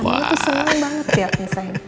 nih itu senang banget lihatnya sa